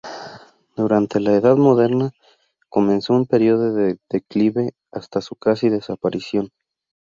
Durante la Edad Moderna comenzó un periodo de declive hasta su casi desaparición.